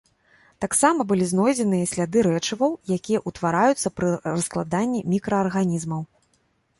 Таксама былі знойдзеныя сляды рэчываў, якія ўтвараюцца пры раскладанні мікраарганізмаў.